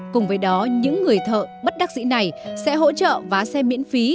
cùng với đó những người thợ bất đắc dĩ này sẽ hỗ trợ vá xe miễn phí